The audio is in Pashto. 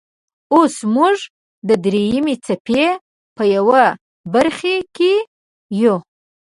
اوس موږ د دریمې څپې په یوه برخې کې یو.